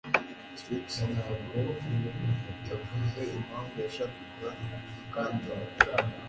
Trix ntabwo yavuze impamvu yashakaga Mukandoli